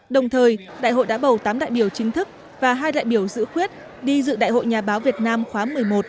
đồng thời đại hội đã bầu tám đại biểu chính thức và hai đại biểu giữ khuyết đi dự đại hội nhà báo việt nam khóa một mươi một